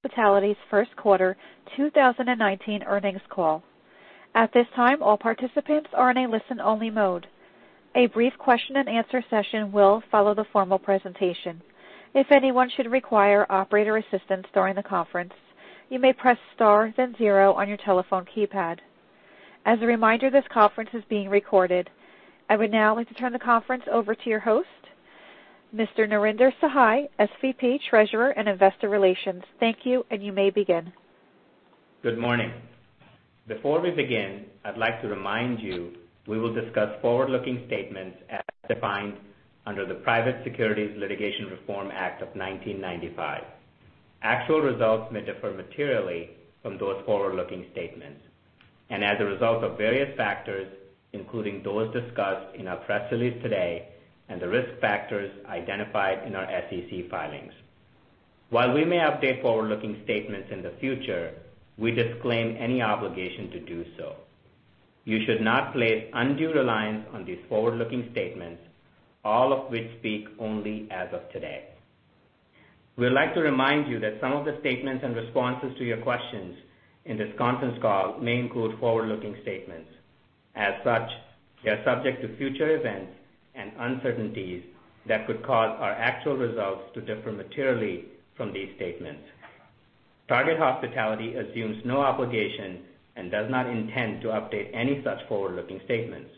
Hospitality's first quarter 2019 earnings call. At this time, all participants are in a listen-only mode. A brief question and answer session will follow the formal presentation. If anyone should require operator assistance during the conference, you may press star then zero on your telephone keypad. As a reminder, this conference is being recorded. I would now like to turn the conference over to your host, Mr. Narinder Sahai, SVP, Treasurer and Investor Relations. Thank you, and you may begin. Good morning. Before we begin, I'd like to remind you we will discuss forward-looking statements as defined under the Private Securities Litigation Reform Act of 1995. Actual results may differ materially from those forward-looking statements, and as a result of various factors, including those discussed in our press release today and the risk factors identified in our SEC filings. While we may update forward-looking statements in the future, we disclaim any obligation to do so. You should not place undue reliance on these forward-looking statements, all of which speak only as of today. We'd like to remind you that some of the statements and responses to your questions in this conference call may include forward-looking statements. As such, they are subject to future events and uncertainties that could cause our actual results to differ materially from these statements. Target Hospitality assumes no obligation and does not intend to update any such forward-looking statements.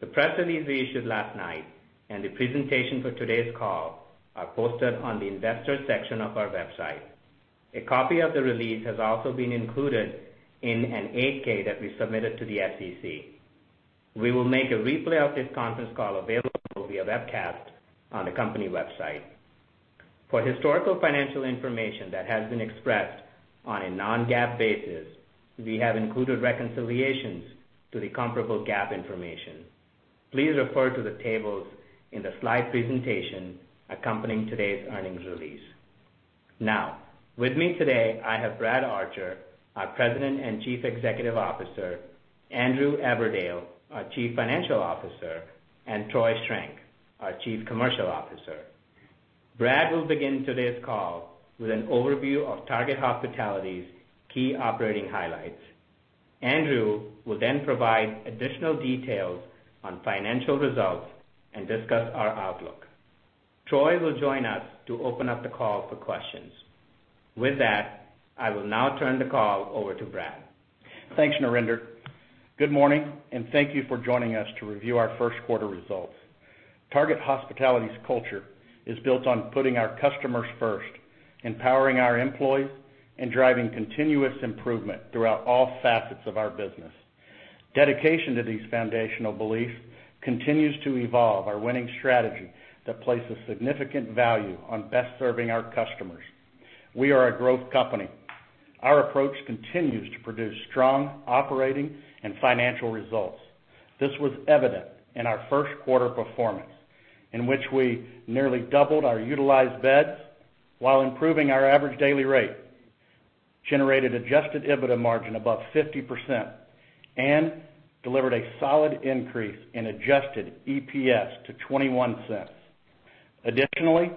The press release we issued last night and the presentation for today's call are posted on the investors section of our website. A copy of the release has also been included in an 8-K that we submitted to the SEC. We will make a replay of this conference call available via webcast on the company website. For historical financial information that has been expressed on a non-GAAP basis, we have included reconciliations to the comparable GAAP information. Please refer to the tables in the slide presentation accompanying today's earnings release. Now, with me today, I have Brad Archer, our President and Chief Executive Officer, Andrew Aberdale, our Chief Financial Officer, and Troy Schrenk, our Chief Commercial Officer. Brad will begin today's call with an overview of Target Hospitality's key operating highlights. Andrew will then provide additional details on financial results and discuss our outlook. Troy will join us to open up the call for questions. With that, I will now turn the call over to Brad. Thanks, Narinder. Good morning, and thank you for joining us to review our first quarter results. Target Hospitality's culture is built on putting our customers first, empowering our employees, and driving continuous improvement throughout all facets of our business. Dedication to these foundational beliefs continues to evolve our winning strategy that places significant value on best serving our customers. We are a growth company. Our approach continues to produce strong operating and financial results. This was evident in our first quarter performance, in which we nearly doubled our utilized beds while improving our average daily rate, generated adjusted EBITDA margin above 50%, and delivered a solid increase in adjusted EPS to $0.21. Additionally,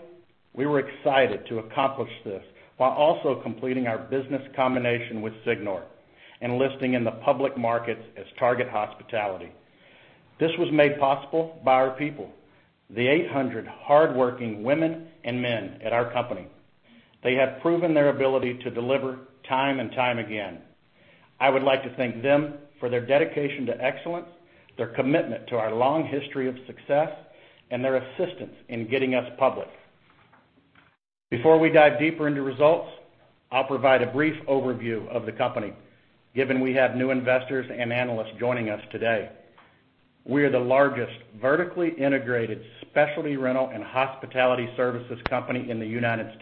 we were excited to accomplish this while also completing our business combination with Signor and listing in the public markets as Target Hospitality. This was made possible by our people, the 800 hardworking women and men at our company. They have proven their ability to deliver time and time again. I would like to thank them for their dedication to excellence, their commitment to our long history of success, and their assistance in getting us public. Before we dive deeper into results, I'll provide a brief overview of the company, given we have new investors and analysts joining us today. We are the largest vertically integrated specialty rental and hospitality services company in the U.S.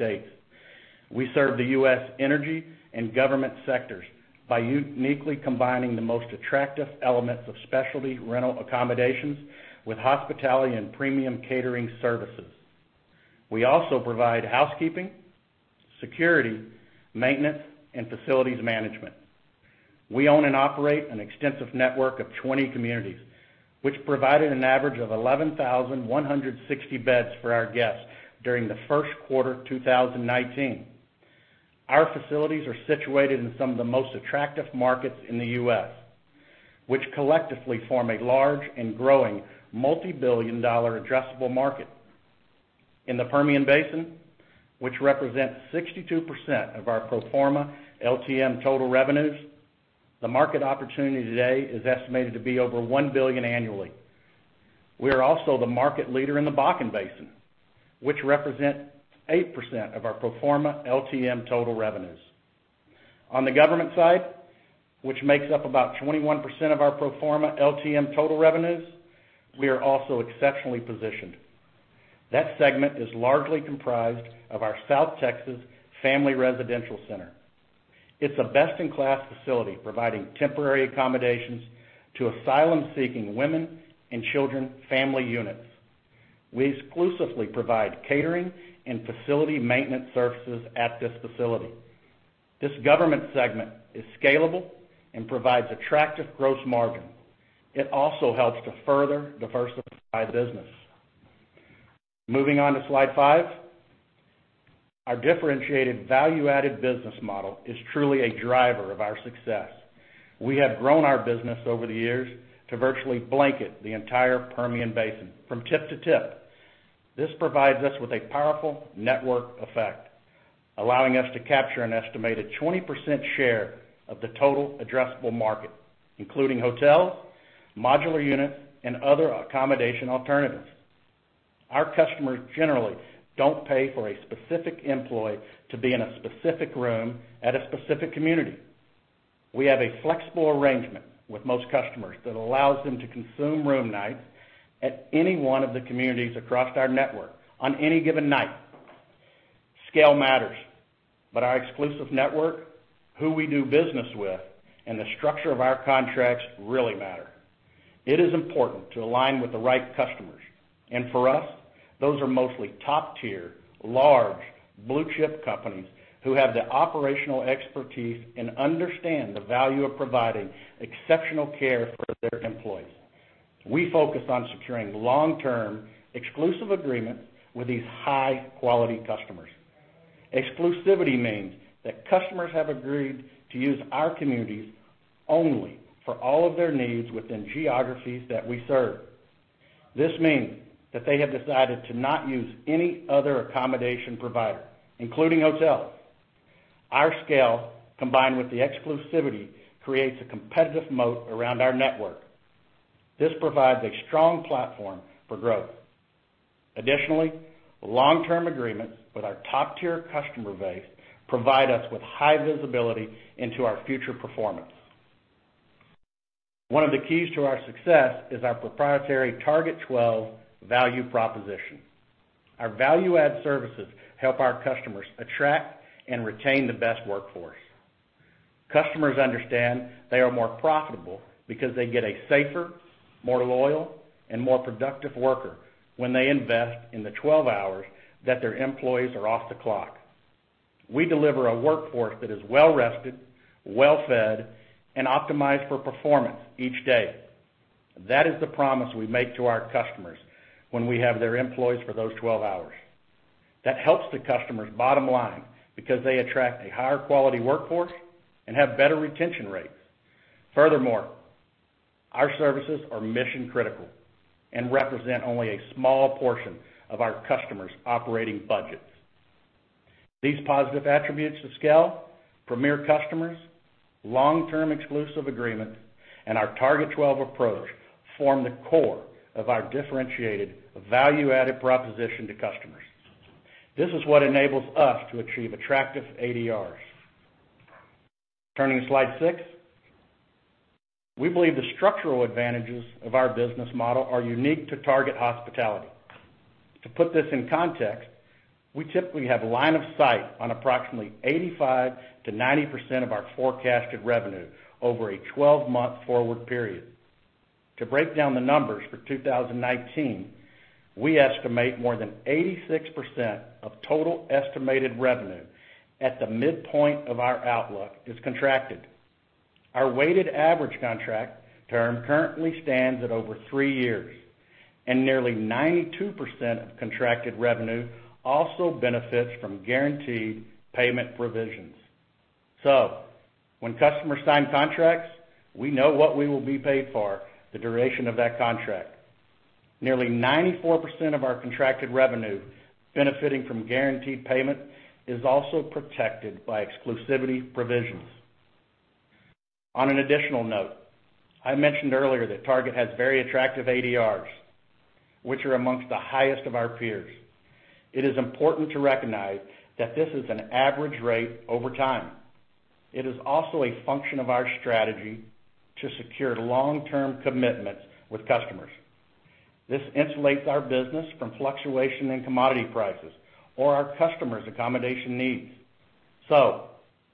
We serve the U.S. energy and government sectors by uniquely combining the most attractive elements of specialty rental accommodations with hospitality and premium catering services. We also provide housekeeping, security, maintenance, and facilities management. We own and operate an extensive network of 20 communities, which provided an average of 11,160 beds for our guests during the first quarter 2019. Our facilities are situated in some of the most attractive markets in the U.S., which collectively form a large and growing multibillion-dollar addressable market. In the Permian Basin, which represents 62% of our pro forma LTM total revenues, the market opportunity today is estimated to be over $1 billion annually. We are also the market leader in the Bakken Basin, which represent 8% of our pro forma LTM total revenues. On the government side, which makes up about 21% of our pro forma LTM total revenues, we are also exceptionally positioned. That segment is largely comprised of our South Texas Family Residential Center. It's a best-in-class facility providing temporary accommodations to asylum-seeking women and children family units. We exclusively provide catering and facility maintenance services at this facility. This government segment is scalable and provides attractive gross margin. It also helps to further diversify the business. Moving on to slide five. Our differentiated value-added business model is truly a driver of our success. We have grown our business over the years to virtually blanket the entire Permian Basin from tip to tip. This provides us with a powerful network effect, allowing us to capture an estimated 20% share of the total addressable market, including hotels, modular units, and other accommodation alternatives. Our customers generally don't pay for a specific employee to be in a specific room at a specific community. We have a flexible arrangement with most customers that allows them to consume room nights at any one of the communities across our network on any given night. Scale matters, our exclusive network, who we do business with, and the structure of our contracts really matter. It is important to align with the right customers, for us, those are mostly top-tier, large, blue-chip companies who have the operational expertise and understand the value of providing exceptional care for their employees. We focus on securing long-term, exclusive agreements with these high-quality customers. Exclusivity means that customers have agreed to use our communities only for all of their needs within geographies that we serve. This means that they have decided to not use any other accommodation provider, including hotels. Our scale, combined with the exclusivity, creates a competitive moat around our network. This provides a strong platform for growth. Long-term agreements with our top-tier customer base provide us with high visibility into our future performance. One of the keys to our success is our proprietary Target 12 value proposition. Our value-add services help our customers attract and retain the best workforce. Customers understand they are more profitable because they get a safer, more loyal, and more productive worker when they invest in the 12 hours that their employees are off the clock. We deliver a workforce that is well-rested, well-fed, and optimized for performance each day. That is the promise we make to our customers when we have their employees for those 12 hours. That helps the customer's bottom line because they attract a higher quality workforce and have better retention rates. Furthermore, our services are mission-critical and represent only a small portion of our customers' operating budgets. These positive attributes of scale, premier customers, long-term exclusive agreement, and our Target 12 approach form the core of our differentiated value-added proposition to customers. This is what enables us to achieve attractive ADRs. Turning to slide six. We believe the structural advantages of our business model are unique to Target Hospitality. To put this in context, we typically have line of sight on approximately 85%-90% of our forecasted revenue over a 12-month forward period. To break down the numbers for 2019, we estimate more than 86% of total estimated revenue at the midpoint of our outlook is contracted. Our weighted average contract term currently stands at over three years, nearly 92% of contracted revenue also benefits from guaranteed payment provisions. When customers sign contracts, we know what we will be paid for the duration of that contract. Nearly 94% of our contracted revenue benefiting from guaranteed payment is also protected by exclusivity provisions. On an additional note, I mentioned earlier that Target has very attractive ADRs, which are amongst the highest of our peers. It is important to recognize that this is an average rate over time. It is also a function of our strategy to secure long-term commitments with customers. This insulates our business from fluctuation in commodity prices or our customers' accommodation needs.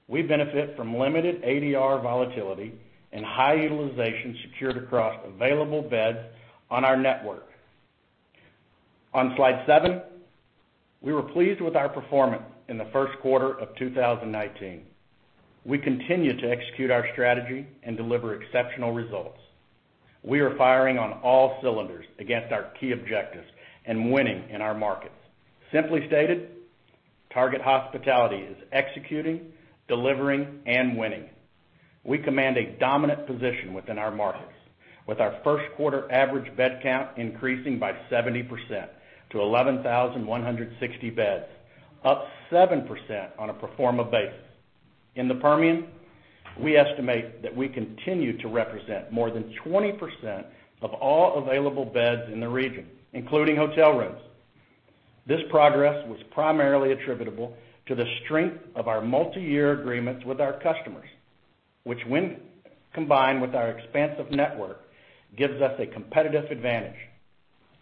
We benefit from limited ADR volatility and high utilization secured across available beds on our network. On slide seven, we were pleased with our performance in the first quarter of 2019. We continue to execute our strategy and deliver exceptional results. We are firing on all cylinders against our key objectives and winning in our markets. Simply stated, Target Hospitality is executing, delivering, and winning. We command a dominant position within our markets, with our first quarter average bed count increasing by 70% to 11,160 beds, up 7% on a pro forma basis. In the Permian, we estimate that we continue to represent more than 20% of all available beds in the region, including hotel rooms. This progress was primarily attributable to the strength of our multiyear agreements with our customers, which when combined with our expansive network, gives us a competitive advantage.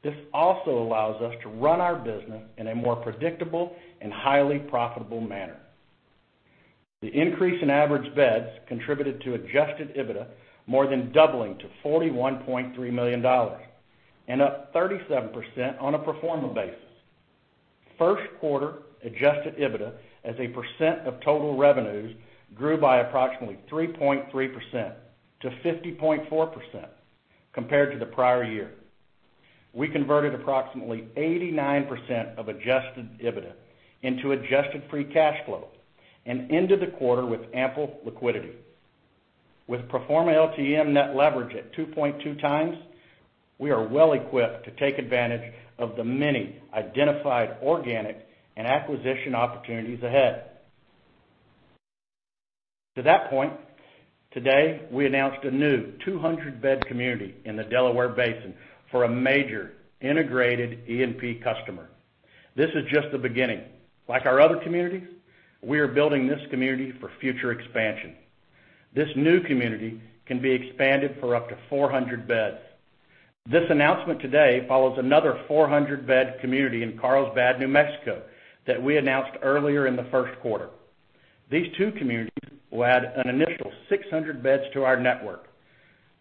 This also allows us to run our business in a more predictable and highly profitable manner. The increase in average beds contributed to adjusted EBITDA more than doubling to $41.3 million and up 37% on a pro forma basis. First quarter adjusted EBITDA as a percent of total revenues grew by approximately 3.3% to 50.4% compared to the prior year. We converted approximately 89% of adjusted EBITDA into adjusted free cash flow and ended the quarter with ample liquidity. With pro forma LTM net leverage at 2.2 times, we are well equipped to take advantage of the many identified organic and acquisition opportunities ahead. To that point, today, we announced a new 200-bed community in the Delaware Basin for a major integrated E&P customer. This is just the beginning. Like our other communities, we are building this community for future expansion. This new community can be expanded for up to 400 beds. This announcement today follows another 400-bed community in Carlsbad, New Mexico, that we announced earlier in the first quarter. These two communities will add an initial 600 beds to our network,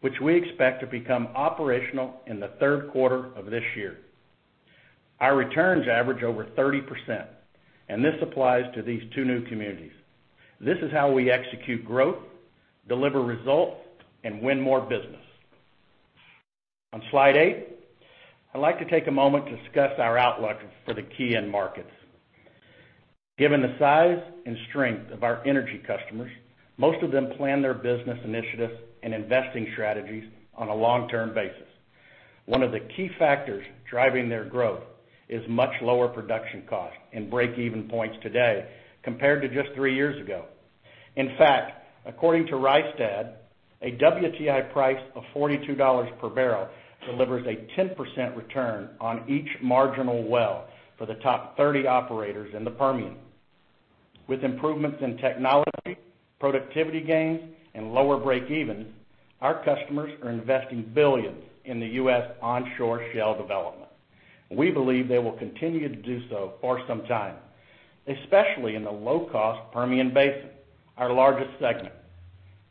which we expect to become operational in the third quarter of this year. Our returns average over 30%, and this applies to these two new communities. This is how we execute growth, deliver results, and win more business. On slide eight, I'd like to take a moment to discuss our outlook for the key end markets. Given the size and strength of our energy customers, most of them plan their business initiatives and investing strategies on a long-term basis. One of the key factors driving their growth is much lower production costs and break-even points today compared to just three years ago. In fact, according to Rystad, a WTI price of $42 per barrel delivers a 10% return on each marginal well for the top 30 operators in the Permian. With improvements in technology, productivity gains, and lower break evens, our customers are investing billions in the U.S. onshore shale development. We believe they will continue to do so for some time, especially in the low-cost Permian Basin, our largest segment.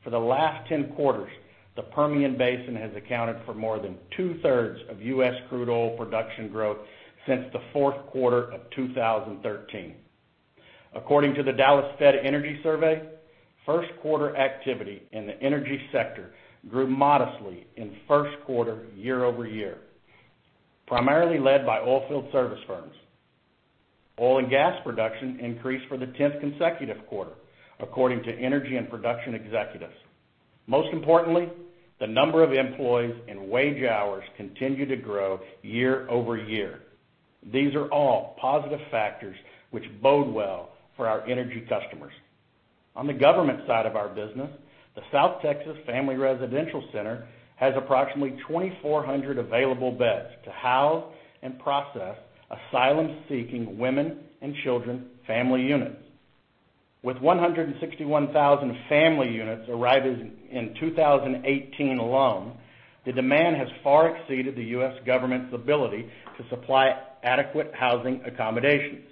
For the last 10 quarters, the Permian Basin has accounted for more than two-thirds of U.S. crude oil production growth since the fourth quarter of 2013. According to the Dallas Fed Energy Survey, first quarter activity in the energy sector grew modestly in first quarter year-over-year, primarily led by oil field service firms. Oil and gas production increased for the 10th consecutive quarter, according to energy and production executives. Most importantly, the number of employees and wage hours continue to grow year-over-year. These are all positive factors which bode well for our energy customers. On the government side of our business, the South Texas Family Residential Center has approximately 2,400 available beds to house and process asylum-seeking women and children family units. With 161,000 family units arriving in 2018 alone, the demand has far exceeded the U.S. government's ability to supply adequate housing accommodations.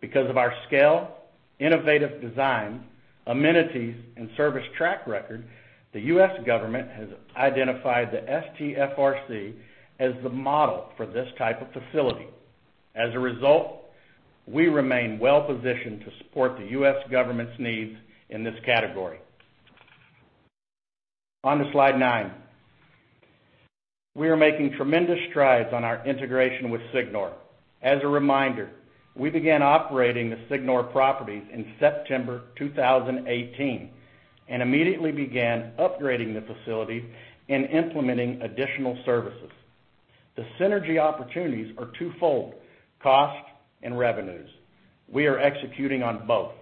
Because of our scale, innovative design, amenities, and service track record, the U.S. government has identified the STFRC as the model for this type of facility. As a result, we remain well-positioned to support the U.S. government's needs in this category. On to slide nine. We are making tremendous strides on our integration with Signor. As a reminder, we began operating the Signor properties in September 2018 and immediately began upgrading the facilities and implementing additional services. The synergy opportunities are twofold: cost and revenues. We are executing on both.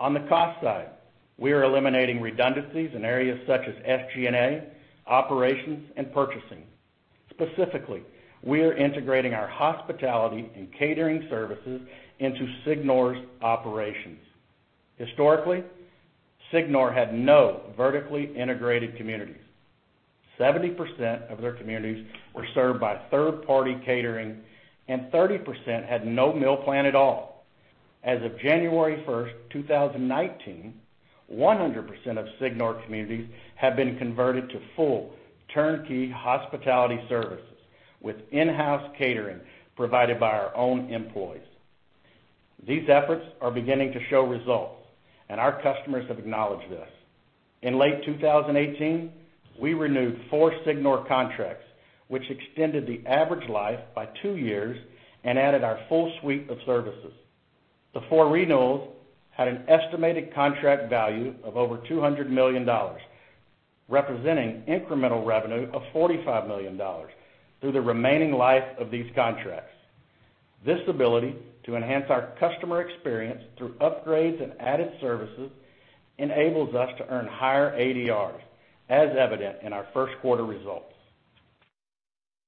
On the cost side, we are eliminating redundancies in areas such as SG&A, operations, and purchasing. Specifically, we are integrating our hospitality and catering services into Signor's operations. Historically, Signor had no vertically integrated communities. 70% of their communities were served by third-party catering, and 30% had no meal plan at all. As of January 1st, 2019, 100% of Signor communities have been converted to full turnkey hospitality services with in-house catering provided by our own employees. These efforts are beginning to show results, and our customers have acknowledged this. In late 2018, we renewed four Signor contracts, which extended the average life by two years and added our full suite of services. The four renewals had an estimated contract value of over $200 million, representing incremental revenue of $45 million through the remaining life of these contracts. This ability to enhance our customer experience through upgrades and added services enables us to earn higher ADRs, as evident in our first quarter results.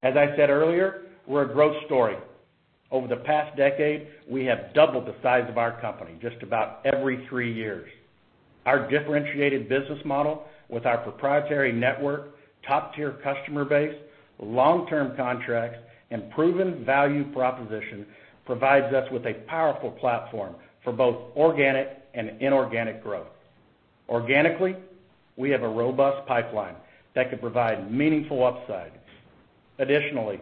As I said earlier, we're a growth story. Over the past decade, we have doubled the size of our company just about every three years. Our differentiated business model with our proprietary network, top-tier customer base, long-term contracts, and proven value proposition provides us with a powerful platform for both organic and inorganic growth. Organically, we have a robust pipeline that could provide meaningful upsides. Additionally,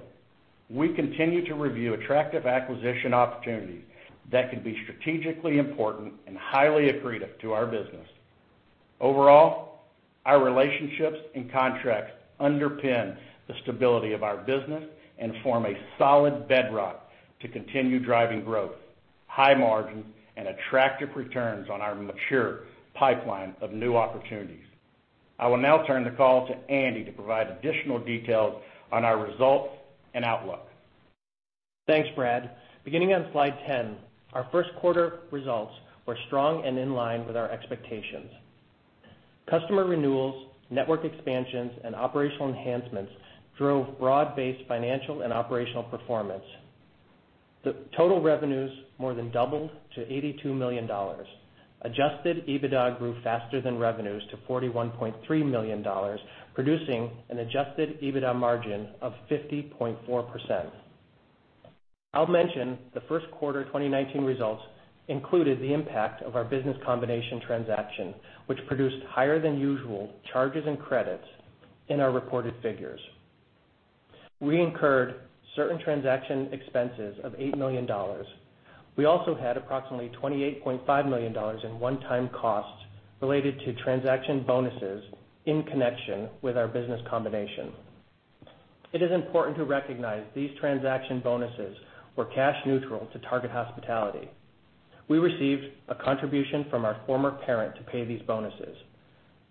we continue to review attractive acquisition opportunities that could be strategically important and highly accretive to our business. Overall, our relationships and contracts underpin the stability of our business and form a solid bedrock to continue driving growth, high margin, and attractive returns on our mature pipeline of new opportunities. I will now turn the call to Andy to provide additional details on our results and outlook. Thanks, Brad. Beginning on slide 10, our first quarter results were strong and in line with our expectations. Customer renewals, network expansions, and operational enhancements drove broad-based financial and operational performance. The total revenues more than doubled to $82 million. Adjusted EBITDA grew faster than revenues to $41.3 million, producing an adjusted EBITDA margin of 50.4%. I'll mention the first quarter 2019 results included the impact of our business combination transaction, which produced higher than usual charges and credits in our reported figures. We incurred certain transaction expenses of $8 million. We also had approximately $28.5 million in one-time costs related to transaction bonuses in connection with our business combination. It is important to recognize these transaction bonuses were cash neutral to Target Hospitality. We received a contribution from our former parent to pay these bonuses.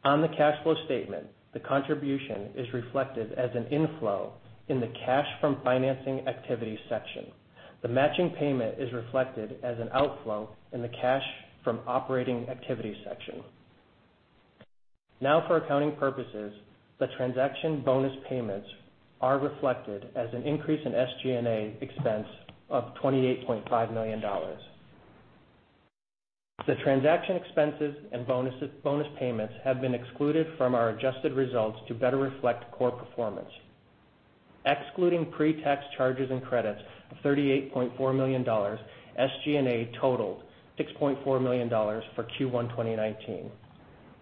The cash flow statement, the contribution is reflected as an inflow in the cash from financing activities section. The matching payment is reflected as an outflow in the cash from operating activities section. For accounting purposes, the transaction bonus payments are reflected as an increase in SG&A expense of $28.5 million. The transaction expenses and bonus payments have been excluded from our adjusted results to better reflect core performance. Excluding pre-tax charges and credits of $38.4 million, SG&A totaled $6.4 million for Q1 2019.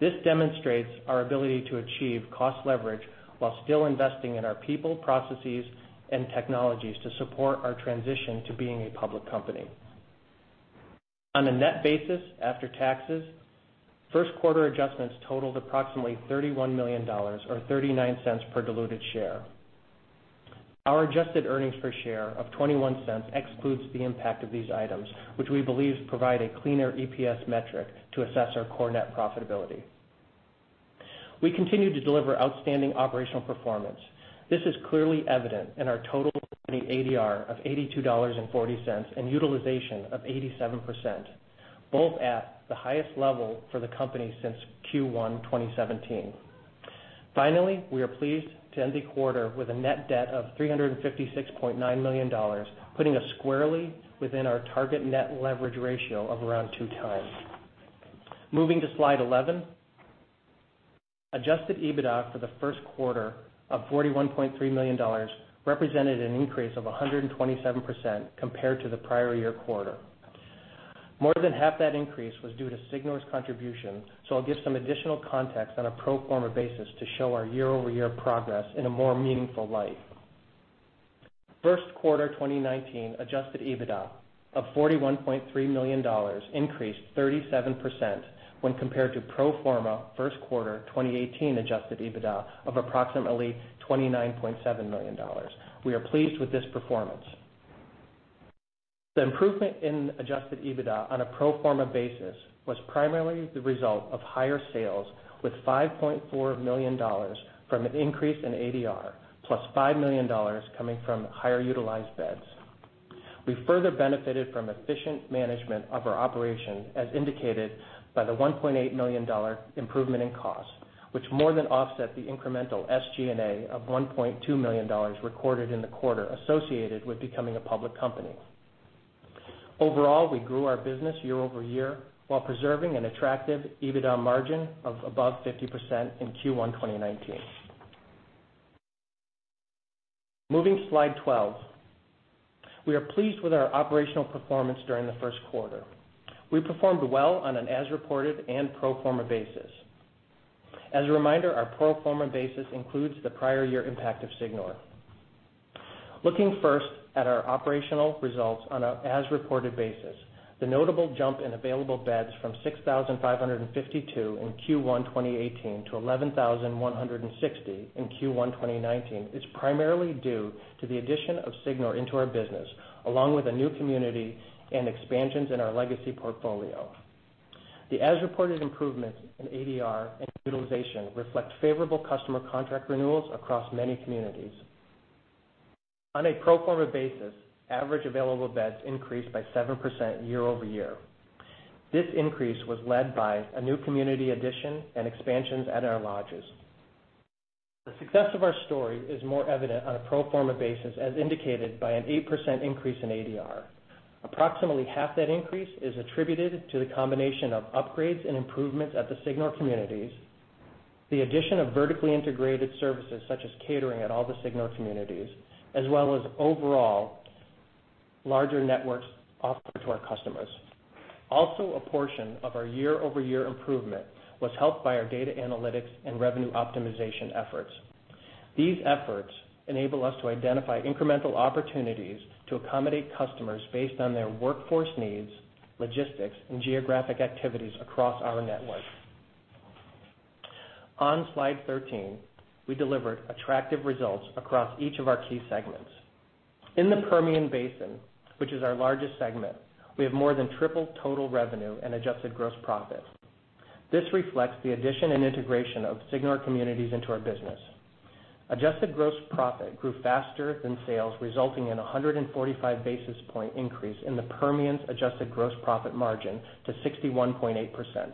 This demonstrates our ability to achieve cost leverage while still investing in our people, processes, and technologies to support our transition to being a public company. On a net basis after taxes, first quarter adjustments totaled approximately $31 million or $0.39 per diluted share. Our adjusted earnings per share of $0.21 excludes the impact of these items, which we believe provide a cleaner EPS metric to assess our core net profitability. We continue to deliver outstanding operational performance. This is clearly evident in our total company ADR of $82.40 and utilization of 87%, both at the highest level for the company since Q1 2017. Finally, we are pleased to end the quarter with a net debt of $356.9 million, putting us squarely within our target net leverage ratio of around two times. Moving to slide 11. Adjusted EBITDA for the first quarter of $41.3 million represented an increase of 127% compared to the prior year quarter. More than half that increase was due to Signor's contribution, so I will give some additional context on a pro forma basis to show our year-over-year progress in a more meaningful light. First quarter 2019 adjusted EBITDA of $41.3 million increased 37% when compared to pro forma first quarter 2018 adjusted EBITDA of approximately $29.7 million. We are pleased with this performance. The improvement in adjusted EBITDA on a pro forma basis was primarily the result of higher sales with $5.4 million from an increase in ADR plus $5 million coming from higher utilized beds. We further benefited from efficient management of our operation, as indicated by the $1.8 million improvement in cost, which more than offset the incremental SG&A of $1.2 million recorded in the quarter associated with becoming a public company. Overall, we grew our business year-over-year while preserving an attractive EBITDA margin of above 50% in Q1 2019. Moving to slide 12. We are pleased with our operational performance during the first quarter. We performed well on an as reported and pro forma basis. As a reminder, our pro forma basis includes the prior year impact of Signor. Looking first at our operational results on an as reported basis, the notable jump in available beds from 6,552 in Q1 2018 to 11,160 in Q1 2019 is primarily due to the addition of Signor into our business, along with a new community and expansions in our legacy portfolio. The as reported improvements in ADR and utilization reflect favorable customer contract renewals across many communities. On a pro forma basis, average available beds increased by 7% year-over-year. This increase was led by a new community addition and expansions at our lodges. The success of our story is more evident on a pro forma basis, as indicated by an 8% increase in ADR. Approximately half that increase is attributed to the combination of upgrades and improvements at the Signor communities, the addition of vertically integrated services such as catering at all the Signor communities, as well as overall larger networks offer to our customers. A portion of our year-over-year improvement was helped by our data analytics and revenue optimization efforts. These efforts enable us to identify incremental opportunities to accommodate customers based on their workforce needs, logistics, and geographic activities across our network. On slide 13, we delivered attractive results across each of our key segments. In the Permian Basin, which is our largest segment, we have more than triple total revenue and adjusted gross profit. This reflects the addition and integration of Signor communities into our business. Adjusted gross profit grew faster than sales, resulting in 145 basis point increase in the Permian's adjusted gross profit margin to 61.8%.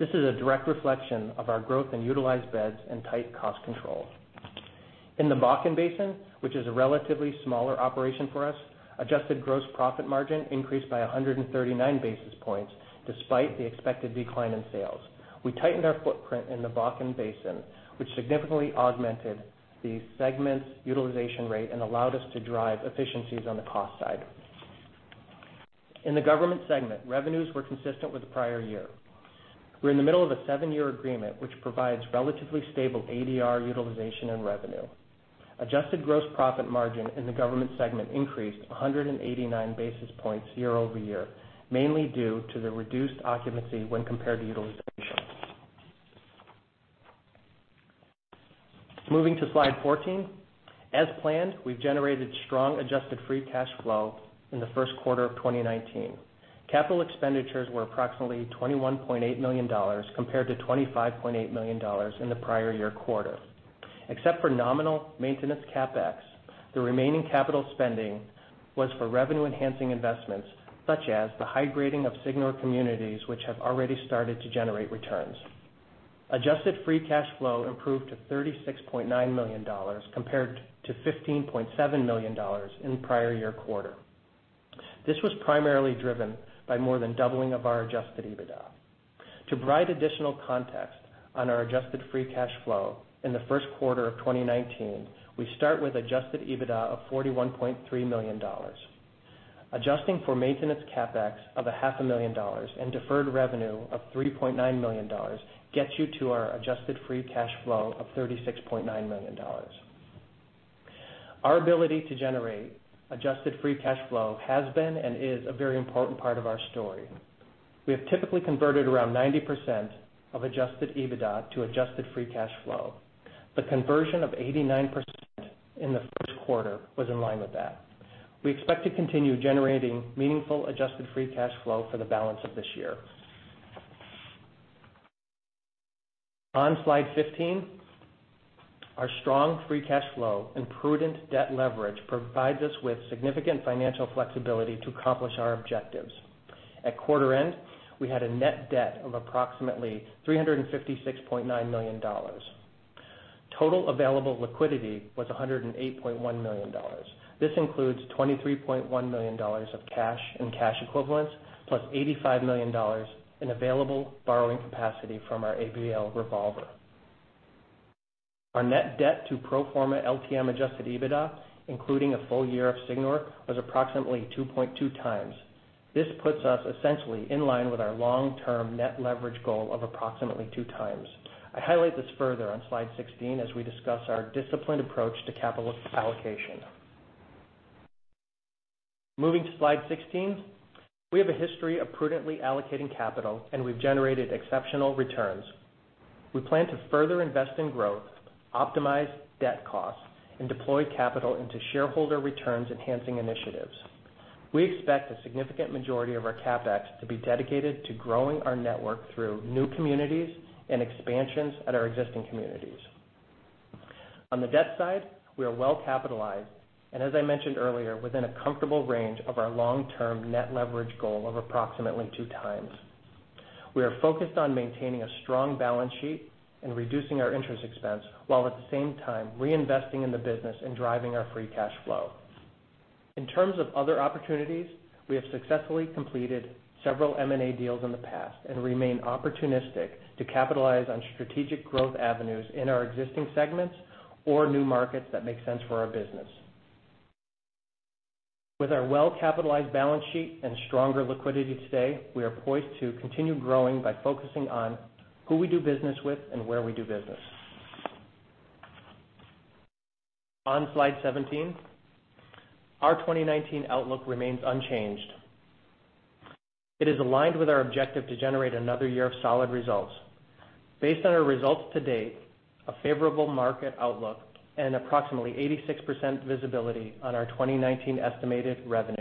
This is a direct reflection of our growth in utilized beds and tight cost control. In the Bakken Basin, which is a relatively smaller operation for us, adjusted gross profit margin increased by 139 basis points despite the expected decline in sales. We tightened our footprint in the Bakken Basin, which significantly augmented the segment's utilization rate and allowed us to drive efficiencies on the cost side. In the government segment, revenues were consistent with the prior year. We're in the middle of a seven-year agreement, which provides relatively stable ADR utilization and revenue. Adjusted gross profit margin in the government segment increased 189 basis points year-over-year, mainly due to the reduced occupancy when compared to utilization. Moving to slide 14. As planned, we've generated strong adjusted free cash flow in the first quarter of 2019. Capital expenditures were approximately $21.8 million compared to $25.8 million in the prior year quarter. Except for nominal maintenance CapEx, the remaining capital spending was for revenue-enhancing investments, such as the high grading of Signor communities, which have already started to generate returns. Adjusted free cash flow improved to $36.9 million compared to $15.7 million in the prior year quarter. This was primarily driven by more than doubling of our adjusted EBITDA. To provide additional context on our adjusted free cash flow in the first quarter of 2019, we start with adjusted EBITDA of $41.3 million. Adjusting for maintenance CapEx of a half a million dollars and deferred revenue of $3.9 million gets you to our adjusted free cash flow of $36.9 million. Our ability to generate adjusted free cash flow has been and is a very important part of our story. We have typically converted around 90% of adjusted EBITDA to adjusted free cash flow. The conversion of 89% in the first quarter was in line with that. We expect to continue generating meaningful adjusted free cash flow for the balance of this year. On slide 15, our strong free cash flow and prudent debt leverage provide us with significant financial flexibility to accomplish our objectives. At quarter end, we had a net debt of approximately $356.9 million. Total available liquidity was $108.1 million. This includes $23.1 million of cash and cash equivalents, plus $85 million in available borrowing capacity from our ABL revolver. Our net debt to pro forma LTM adjusted EBITDA, including a full year of Signor, was approximately 2.2 times. This puts us essentially in line with our long-term net leverage goal of approximately two times. I highlight this further on slide 16 as we discuss our disciplined approach to capital allocation. Moving to slide 16. We have a history of prudently allocating capital, and we've generated exceptional returns. We plan to further invest in growth, optimize debt costs, and deploy capital into shareholder returns enhancing initiatives. We expect a significant majority of our CapEx to be dedicated to growing our network through new communities and expansions at our existing communities. On the debt side, we are well capitalized, and as I mentioned earlier, within a comfortable range of our long-term net leverage goal of approximately two times. We are focused on maintaining a strong balance sheet and reducing our interest expense, while at the same time reinvesting in the business and driving our free cash flow. In terms of other opportunities, we have successfully completed several M&A deals in the past and remain opportunistic to capitalize on strategic growth avenues in our existing segments or new markets that make sense for our business. With our well-capitalized balance sheet and stronger liquidity today, we are poised to continue growing by focusing on who we do business with and where we do business. On slide 17, our 2019 outlook remains unchanged. It is aligned with our objective to generate another year of solid results. Based on our results to date, a favorable market outlook, and approximately 86% visibility on our 2019 estimated revenue,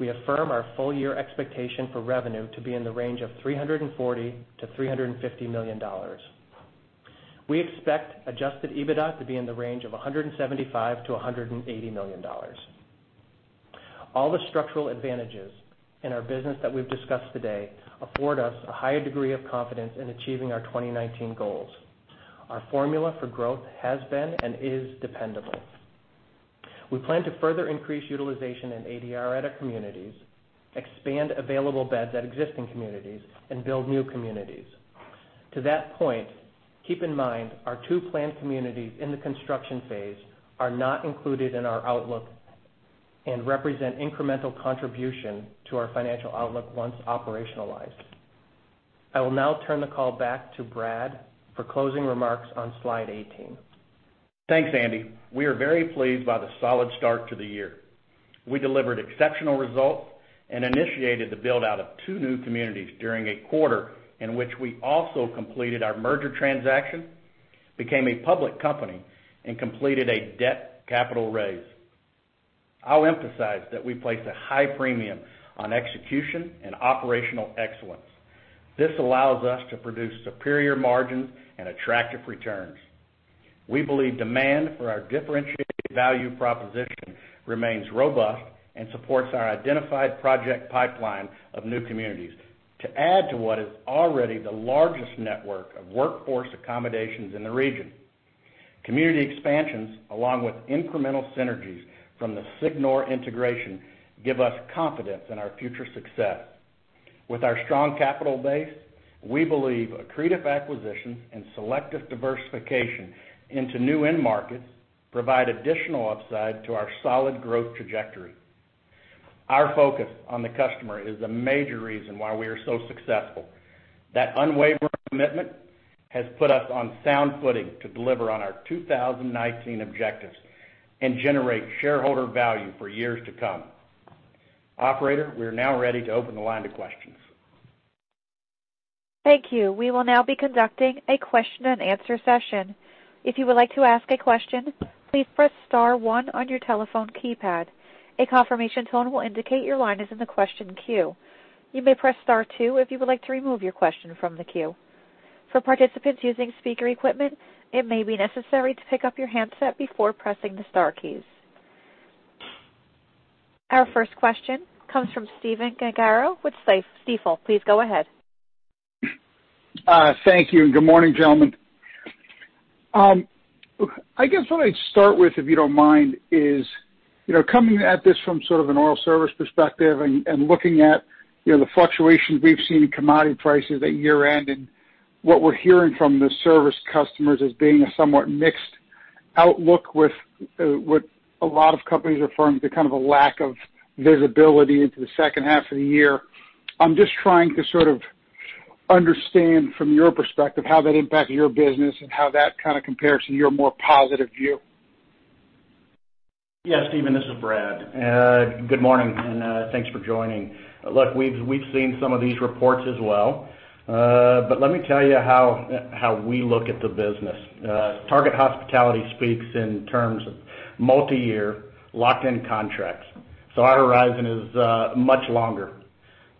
we affirm our full year expectation for revenue to be in the range of $340 million-$350 million. We expect adjusted EBITDA to be in the range of $175 million-$180 million. All the structural advantages in our business that we've discussed today afford us a high degree of confidence in achieving our 2019 goals. Our formula for growth has been and is dependable. We plan to further increase utilization and ADR at our communities, expand available beds at existing communities, and build new communities. To that point, keep in mind our two planned communities in the construction phase are not included in our outlook and represent incremental contribution to our financial outlook once operationalized. I will now turn the call back to Brad for closing remarks on slide 18. Thanks, Andy. We are very pleased by the solid start to the year. We delivered exceptional results and initiated the build-out of two new communities during a quarter in which we also completed our merger transaction, became a public company, and completed a debt capital raise. I'll emphasize that we place a high premium on execution and operational excellence. This allows us to produce superior margins and attractive returns. We believe demand for our differentiated value proposition remains robust and supports our identified project pipeline of new communities to add to what is already the largest network of workforce accommodations in the region. Community expansions, along with incremental synergies from the Signor integration, give us confidence in our future success. With our strong capital base, we believe accretive acquisitions and selective diversification into new end markets provide additional upside to our solid growth trajectory. Our focus on the customer is a major reason why we are so successful. That unwavering commitment has put us on sound footing to deliver on our 2019 objectives and generate shareholder value for years to come. Operator, we are now ready to open the line to questions. Thank you. We will now be conducting a question and answer session. If you would like to ask a question, please press *1 on your telephone keypad. A confirmation tone will indicate your line is in the question queue. You may press *2 if you would like to remove your question from the queue. For participants using speaker equipment, it may be necessary to pick up your handset before pressing the star keys. Our first question comes from Stephen Gengaro with Stifel. Please go ahead. Thank you. Good morning, gentlemen. I guess what I'd start with, if you don't mind, is coming at this from sort of an oil service perspective and looking at the fluctuations we've seen in commodity prices at year-end, what we're hearing from the service customers as being a somewhat mixed outlook with a lot of companies referring to kind of a lack of visibility into the second half of the year. I'm just trying to sort of understand from your perspective how that impacts your business and how that kind of compares to your more positive view. Stephen. This is Brad. Good morning, and thanks for joining. We've seen some of these reports as well, but let me tell you how we look at the business. Target Hospitality speaks in terms of multi-year locked-in contracts, so our horizon is much longer.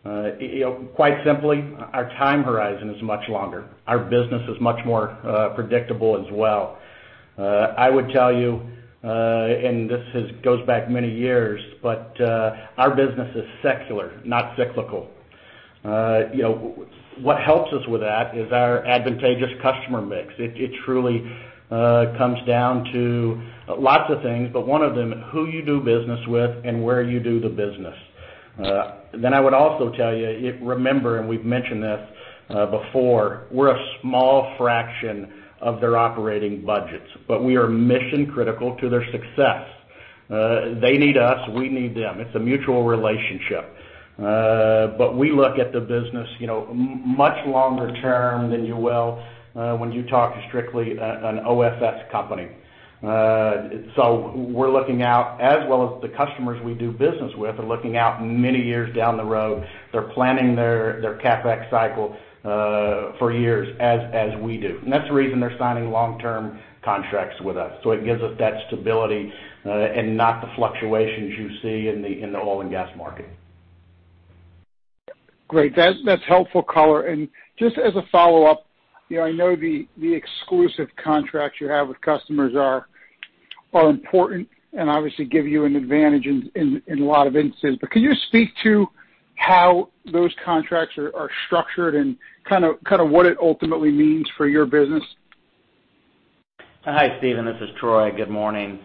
Quite simply, our time horizon is much longer. Our business is much more predictable as well. I would tell you, and this goes back many years, but our business is secular, not cyclical. What helps us with that is our advantageous customer mix. It truly comes down to lots of things, but one of them, who you do business with and where you do the business. I would also tell you, remember, and we've mentioned this before, we're a small fraction of their operating budgets, but we are mission-critical to their success. They need us. We need them. It's a mutual relationship. We look at the business much longer term than you will when you talk to strictly an OFS company. We're looking out, as well as the customers we do business with, are looking out many years down the road. They're planning their CapEx cycle for years, as we do. That's the reason they're signing long-term contracts with us. It gives us that stability and not the fluctuations you see in the oil and gas market. Great. That's helpful color. Just as a follow-up, I know the exclusive contracts you have with customers are important and obviously give you an advantage in a lot of instances, but can you speak to how those contracts are structured and kind of what it ultimately means for your business? Hi, Stephen. This is Troy. Good morning.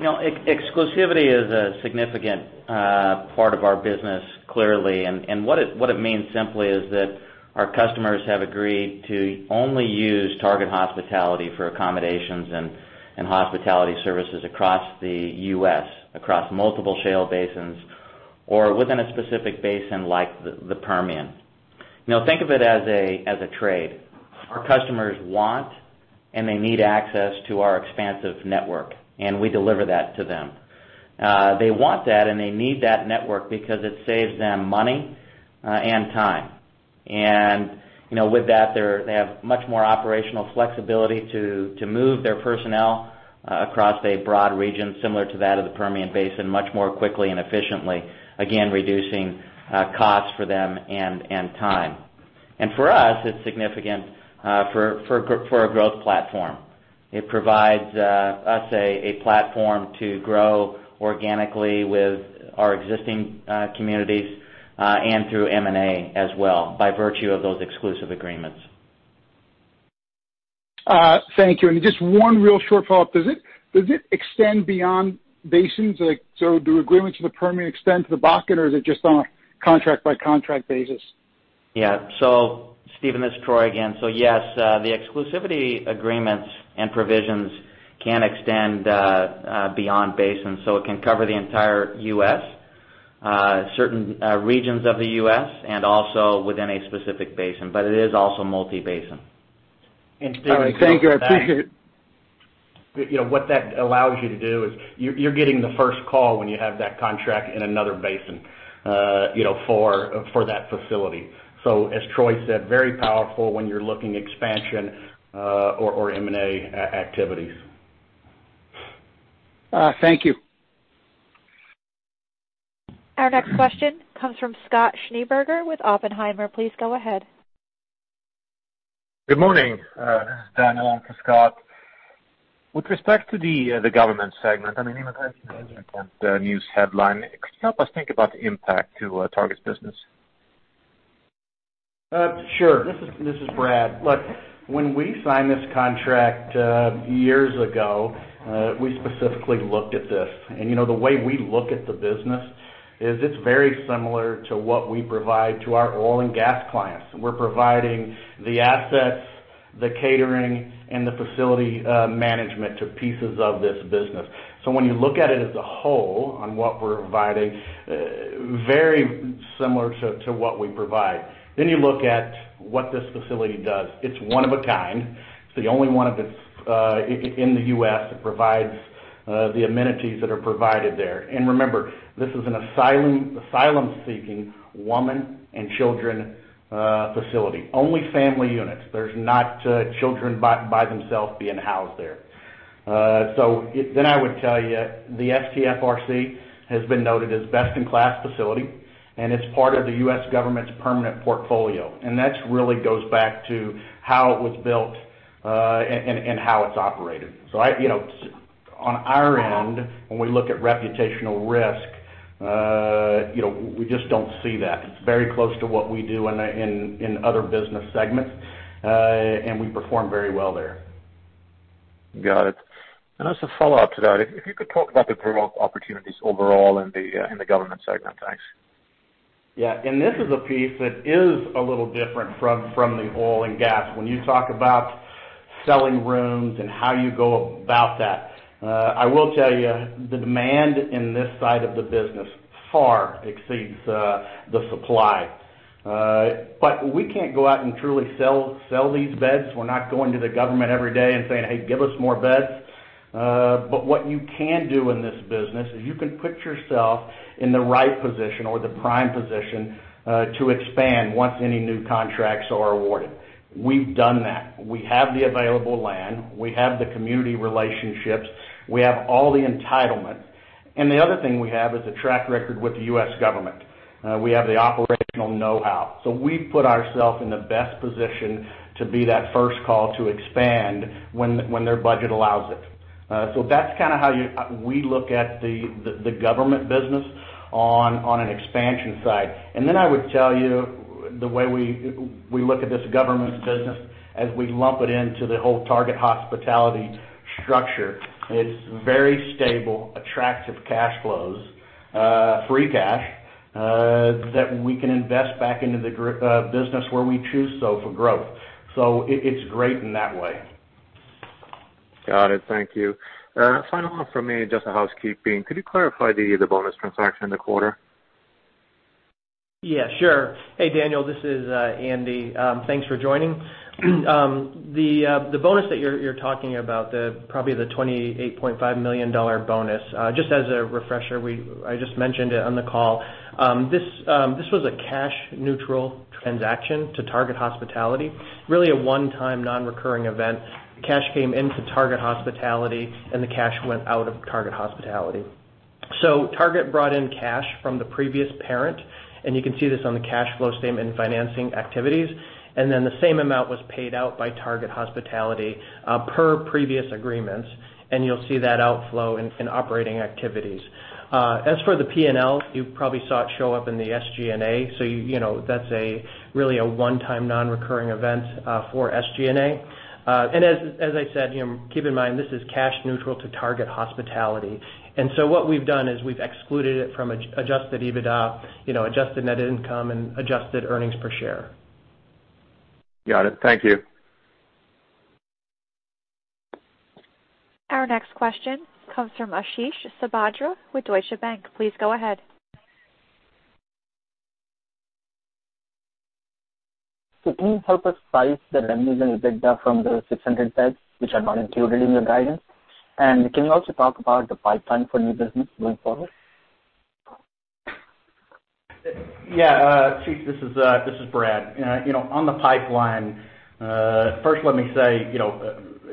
Exclusivity is a significant part of our business, clearly. What it means simply is that our customers have agreed to only use Target Hospitality for accommodations and hospitality services across the U.S., across multiple shale basins or within a specific basin like the Permian. Think of it as a trade. Our customers want and they need access to our expansive network, and we deliver that to them. They want that and they need that network because it saves them money and time. With that, they have much more operational flexibility to move their personnel across a broad region similar to that of the Permian Basin much more quickly and efficiently, again, reducing costs for them and time. For us, it's significant for a growth platform. It provides us a platform to grow organically with our existing communities and through M&A as well, by virtue of those exclusive agreements. Thank you. Just one real short follow-up. Does it extend beyond basins? Do agreements with the Permian extend to the Bakken, or is it just on a contract by contract basis? Yeah. Stephen, this is Troy again. Yes, the exclusivity agreements and provisions can extend beyond basins. It can cover the entire U.S., certain regions of the U.S., and also within a specific basin, but it is also multi-basin. All right. Thank you. I appreciate it. What that allows you to do is you're getting the first call when you have that contract in another basin for that facility. As Troy said, very powerful when you're looking expansion or M&A activities. Thank you. Our next question comes from Scott Schneeberger with Oppenheimer. Please go ahead. Good morning. This is Daniel in for Scott. With respect to the government segment, I mean, even the news headline, could you help us think about the impact to Target's business? Sure. This is Brad. Look, when we signed this contract years ago, we specifically looked at this. The way we look at the business is it's very similar to what we provide to our oil and gas clients. We're providing the assets, the catering, and the facility management to pieces of this business. When you look at it as a whole on what we're providing, very similar to what we provide. You look at what this facility does. It's one of a kind. It's the only one of its in the U.S. that provides the amenities that are provided there. Remember, this is an asylum-seeking woman and children facility. Only family units. There's not children by themselves being housed there. I would tell you, the STFRC has been noted as best in class facility, it's part of the U.S. government's permanent portfolio, and that really goes back to how it was built, and how it's operated. On our end, when we look at reputational risk, we just don't see that. It's very close to what we do in other business segments. We perform very well there. Got it. As a follow-up to that, if you could talk about the growth opportunities overall in the government segment. Thanks. Yeah. This is a piece that is a little different from the oil and gas. When you talk about selling rooms and how you go about that. I will tell you, the demand in this side of the business far exceeds the supply. We can't go out and truly sell these beds. We're not going to the government every day and saying, "Hey, give us more beds." What you can do in this business is you can put yourself in the right position or the prime position, to expand once any new contracts are awarded. We've done that. We have the available land. We have the community relationships. We have all the entitlements. The other thing we have is a track record with the U.S. government. We have the operational know-how. We've put ourself in the best position to be that first call to expand when their budget allows it. That's kind of how we look at the government business on an expansion side. I would tell you the way we look at this government business as we lump it into the whole Target Hospitality structure, it's very stable, attractive cash flows, free cash, that we can invest back into the business where we choose so for growth. It's great in that way. Got it. Thank you. Final one from me, just a housekeeping. Could you clarify the bonus transaction in the quarter? Yeah, sure. Hey, Daniel, this is Andy. Thanks for joining. The bonus that you're talking about, probably the $28.5 million bonus. Just as a refresher, I just mentioned it on the call. This was a cash neutral transaction to Target Hospitality, really a one-time non-recurring event. The cash came into Target Hospitality, and the cash went out of Target Hospitality. Target brought in cash from the previous parent, and you can see this on the cash flow statement in financing activities. The same amount was paid out by Target Hospitality, per previous agreements. You'll see that outflow in operating activities. As for the P&L, you probably saw it show up in the SG&A. That's really a one-time non-recurring event for SG&A. As I said, keep in mind this is cash neutral to Target Hospitality. What we've done is we've excluded it from adjusted EBITDA, adjusted net income, and adjusted earnings per share. Got it. Thank you. Our next question comes from Ashish Sabadra with Deutsche Bank. Please go ahead. Can you help us price the revenues and EBITDA from the 600 beds, which are not included in your guidance? Can you also talk about the pipeline for new business going forward? Ashish, this is Brad. On the pipeline, first let me say,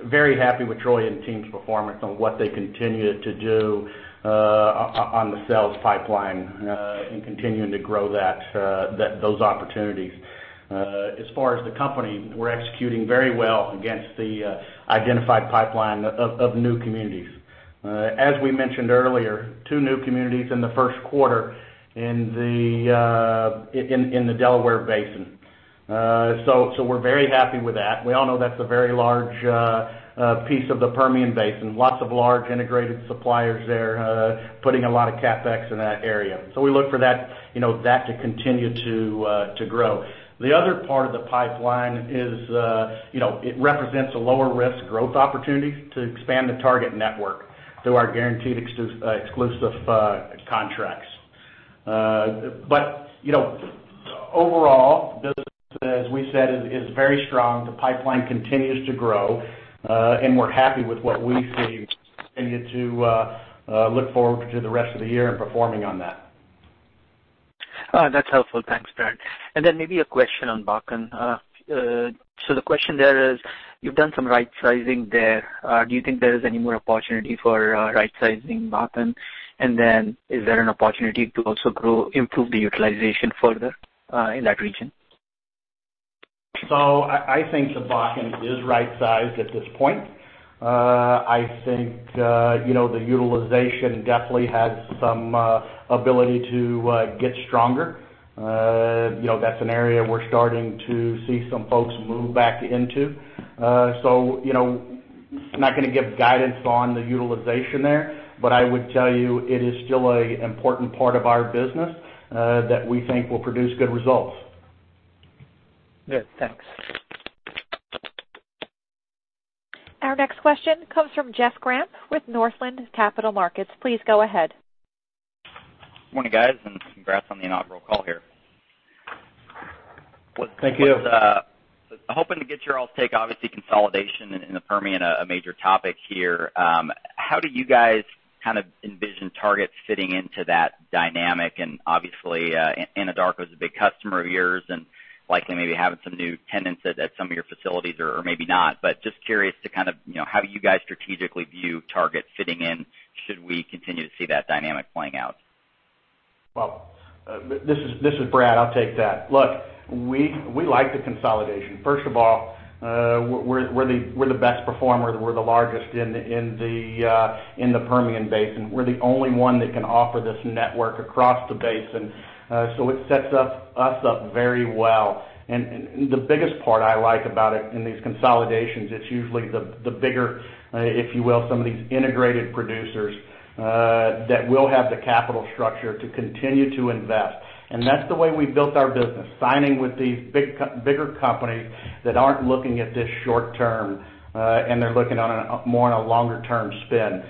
very happy with Troy and team's performance on what they continue to do on the sales pipeline, continuing to grow those opportunities. As far as the company, we're executing very well against the identified pipeline of new communities. As we mentioned earlier, two new communities in the first quarter in the Delaware Basin. We're very happy with that. We all know that's a very large piece of the Permian Basin. Lots of large integrated suppliers there putting a lot of CapEx in that area. We look for that to continue to grow. The other part of the pipeline is, it represents a lower risk growth opportunity to expand the Target network through our guaranteed exclusive contracts. Overall, business, as we said, is very strong. The pipeline continues to grow, we're happy with what we see. Continue to look forward to the rest of the year and performing on that. That's helpful. Thanks, Brad. Maybe a question on Bakken. The question there is: You've done some right-sizing there. Do you think there is any more opportunity for right-sizing Bakken? Is there an opportunity to also improve the utilization further in that region? I think the Bakken is right-sized at this point. I think the utilization definitely has some ability to get stronger. That's an area we're starting to see some folks move back into. I'm not going to give guidance on the utilization there, but I would tell you it is still a important part of our business that we think will produce good results. Good. Thanks. Our next question comes from Jeff Grampp with Northland Capital Markets. Please go ahead. Morning, guys, congrats on the inaugural call here. Thank you. was hoping to get you all's take, obviously, consolidation in the Permian, a major topic here. How do you guys kind of envision Target fitting into that dynamic? Obviously, Anadarko's a big customer of yours and likely maybe having some new tenants at some of your facilities or maybe not. Just curious to kind of how you guys strategically view Target fitting in should we continue to see that dynamic playing out. Well, this is Brad. I'll take that. Look, we like the consolidation. First of all, we're the best performer. We're the largest in the Permian Basin. We're the only one that can offer this network across the basin. It sets us up very well. The biggest part I like about it in these consolidations, it's usually the bigger, if you will, some of these integrated producers, that will have the capital structure to continue to invest. That's the way we've built our business, signing with these bigger companies that aren't looking at this short term, and they're looking on a more on a longer term spin.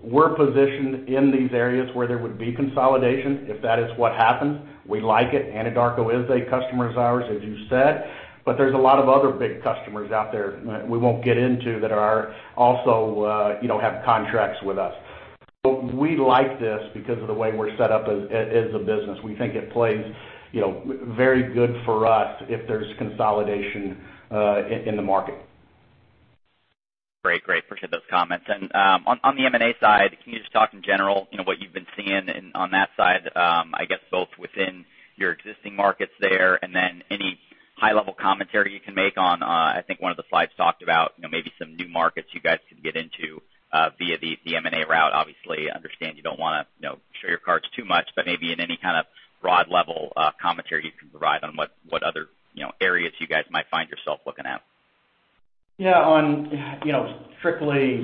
We're positioned in these areas where there would be consolidation if that is what happens. We like it. Anadarko is a customer of ours, as you said, there's a lot of other big customers out there we won't get into that are also have contracts with us. We like this because of the way we're set up as a business. We think it plays very good for us if there's consolidation in the market. Great. Appreciate those comments. On the M&A side, can you just talk in general what you've been seeing on that side? I guess both within your existing markets there and then any high level commentary you can make on, I think one of the slides talked about maybe some new markets you guys can get into via the M&A route. Obviously, understand you don't want to show your cards too much, maybe in any kind of broad level commentary you can provide on what other areas you guys might find yourself looking at. Yeah, on strictly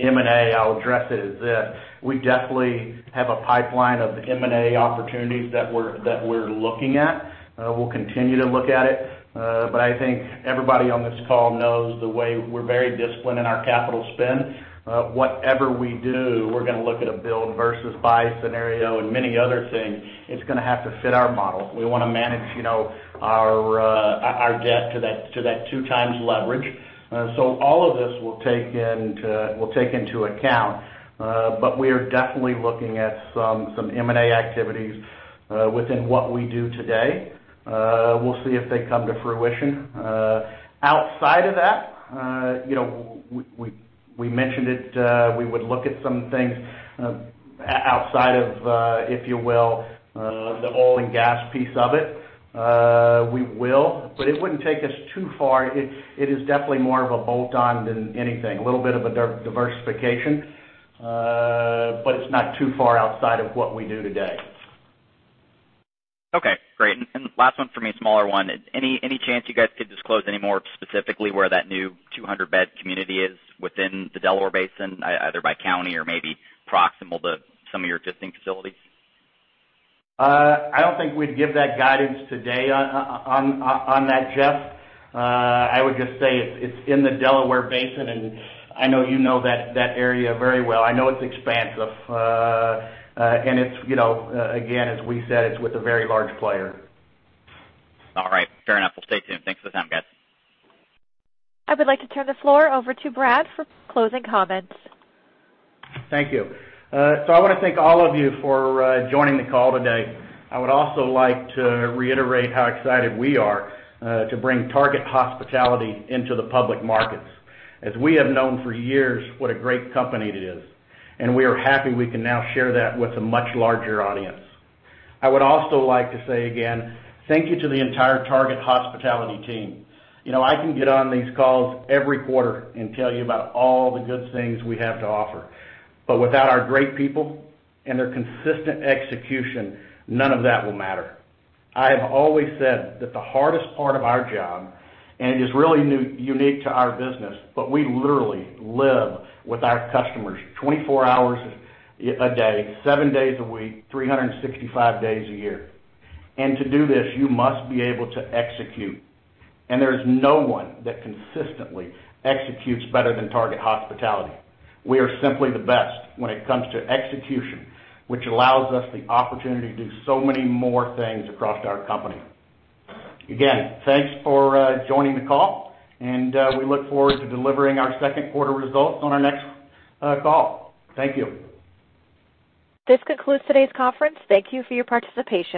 M&A, I'll address it as this. We definitely have a pipeline of M&A opportunities that we're looking at. We'll continue to look at it. I think everybody on this call knows the way we're very disciplined in our capital spend. Whatever we do, we're going to look at a build versus buy scenario and many other things. It's going to have to fit our model. We want to manage our debt to that two times leverage. All of this we'll take into account. We are definitely looking at some M&A activities within what we do today. We'll see if they come to fruition. Outside of that, we mentioned it, we would look at some things outside of, if you will, the oil and gas piece of it. We will, it wouldn't take us too far. It is definitely more of a bolt-on than anything, a little bit of a diversification. It's not too far outside of what we do today. Okay, great. Last one for me, smaller one. Any chance you guys could disclose any more specifically where that new 200-bed community is within the Delaware Basin, either by county or maybe proximal to some of your existing facilities? I don't think we'd give that guidance today on that, Jeff. I would just say it's in the Delaware Basin. I know you know that area very well. I know it's expansive. Again, as we said, it's with a very large player. All right, fair enough. We'll stay tuned. Thanks for the time, guys. I would like to turn the floor over to Brad for closing comments. Thank you. I want to thank all of you for joining the call today. I would also like to reiterate how excited we are to bring Target Hospitality into the public markets. As we have known for years what a great company it is, and we are happy we can now share that with a much larger audience. I would also like to say again, thank you to the entire Target Hospitality team. I can get on these calls every quarter and tell you about all the good things we have to offer. Without our great people and their consistent execution, none of that will matter. I have always said that the hardest part of our job, and it is really unique to our business, but we literally live with our customers 24 hours a day, 7 days a week, 365 days a year. To do this, you must be able to execute. There is no one that consistently executes better than Target Hospitality. We are simply the best when it comes to execution, which allows us the opportunity to do so many more things across our company. Again, thanks for joining the call and we look forward to delivering our second quarter results on our next call. Thank you. This concludes today's conference. Thank you for your participation.